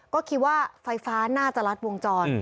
ก็คิดว่าไฟฟ้าน่าจะรัดวงจร